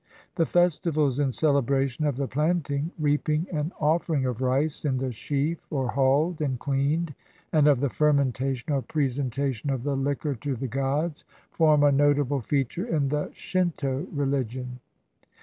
The festivals in celebration of the planting, reaping, and offering of rice in the sheaf, or hulled and cleaned, and of the fermentation or presentation of the liquor to the gods, form a notable feature in the Shinto religion.